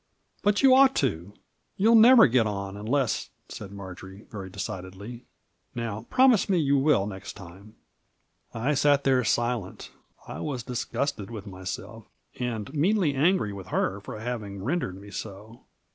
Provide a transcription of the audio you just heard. "But you ought to. You'll never get on unless," said Marjory, very decidedly. "Now, promise me you will, next time." I 6at there silent. I was disgusted with myself, and meanly angry with her for having rendered me so.